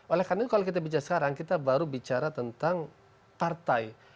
oleh karena itu kalau kita bicara sekarang kita baru bicara tentang partai